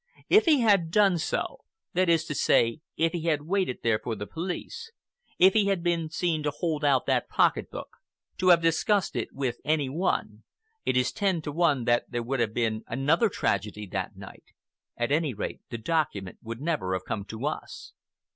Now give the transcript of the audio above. If he had done so—that is to say, if he had waited there for the police, if he had been seen to hold out that pocket book, to have discussed it with any one, it is ten to one that there would have been another tragedy that night. At any rate, the document would never have come to us."